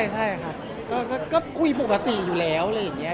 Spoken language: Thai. ใช่ครับก็คุยปกติอยู่แล้วอะไรอย่างนี้